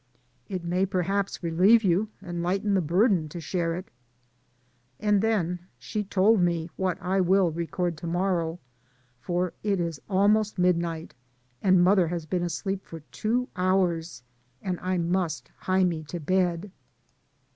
"It may perhaps relieve you, and lighten the burden, to share it." And then she told me what I will record to morrow, for it is almost midnight, and mother has been asleep for two hours, and I must hie me to bed.